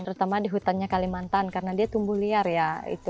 terutama di hutannya kalimantan karena dia tumbuh liar ya